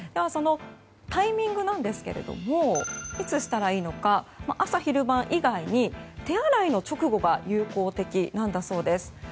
そのタイミングなんですがいつしたらいいのか朝、昼、晩以外に手洗いの直後が有効的なんだそうです。